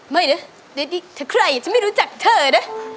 ไม่นะเด็กเธอใครฉันไม่รู้จักเธอนะ